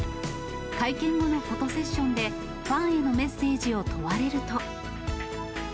会見後のフォトセッションで、ファンへのメッセージを問われると。